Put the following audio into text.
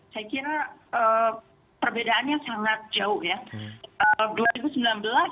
saya kira perbedaannya sangat jauh ya